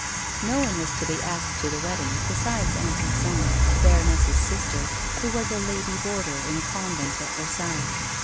No one was to be asked to the wedding besides Aunt Lison the baroness's sister, who v\ as a lady boarder in a convent at Versailles.